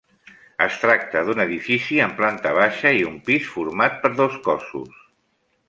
Es tracta d'un edifici amb planta baixa i un pis format per dos cossos.